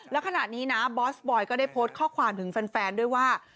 แล้วขณะนี้นะบอสบอยก็ได้โพสต์ข้อความถึงแฟนด้วยว่า